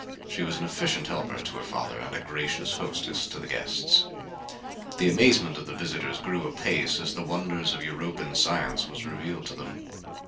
She was an efficient helper to her father and a gracious hostess to the guests. The amazement of the visitors grew apace as the wonders of Europan science were revealed to them.